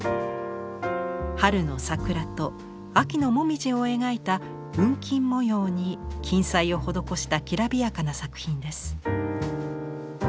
春の桜と秋の紅葉を描いた雲錦模様に金彩を施したきらびやかな作品です。